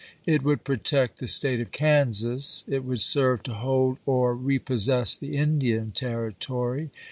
It would protect the State of Kansas. It would serve to hold or repossess the Indian Territory.